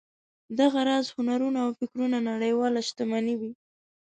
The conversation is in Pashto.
دغه راز هنرونه او فکرونه نړیواله شتمني وي.